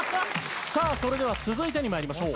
さあそれでは続いてに参りましょう。